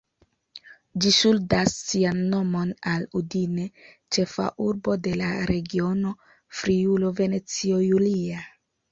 Ĝi ŝuldas sian nomon al Udine, ĉefa urbo de la regiono Friulo-Venecio Julia.